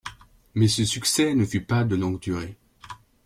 Mais ce succès ne fut pas de longue durée.